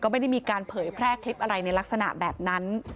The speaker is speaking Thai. ไม่ได้มีการเผยแพร่คลิปอะไรในลักษณะแบบนั้น